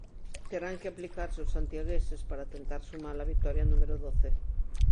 Terán que aplicarse os santiagueses para tentar sumar a vitoria número doce.